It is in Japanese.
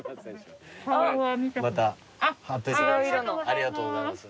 ありがとうございます。